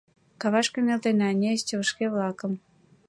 Кавашке нӧлтена нефть вышке-влакым